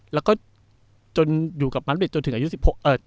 แล้วก็จะอยู่กับมาดริสจนถึงอายุที่๑๖